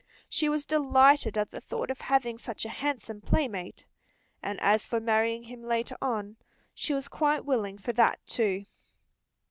She was delighted at the thought of having such a handsome playmate. And as for marrying him later on, she was quite willing for that, too.